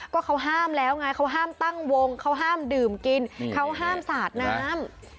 ก็เขาห้ามแล้วไงเขาห้ามตั้งวงเขาห้ามดื่มกินเขาห้ามสาดน้ำ